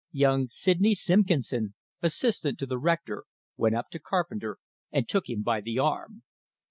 Young Sidney Simpkinson, assistant to the rector, went up to Carpenter and took him by the arm.